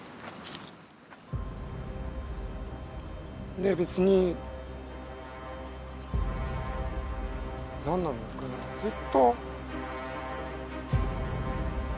で別に何なんですかねずっと。